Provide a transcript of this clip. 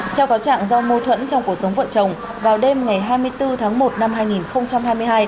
theo cáo trạng do mâu thuẫn trong cuộc sống vợ chồng vào đêm ngày hai mươi bốn tháng một năm hai nghìn hai mươi hai